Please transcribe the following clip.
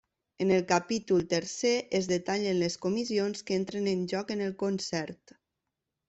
En el capítol tercer es detallen les comissions que entren en joc en el Concert.